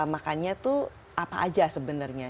makannya tuh apa aja sebenarnya